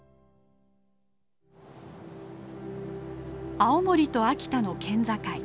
青森と秋田の県境。